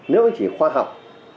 nếu chỉ khoa học